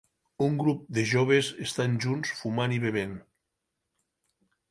Un grup de joves estan junts fumant i bevent.